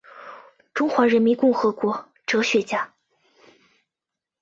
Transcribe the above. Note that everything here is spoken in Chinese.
中华人民共和国哲学家。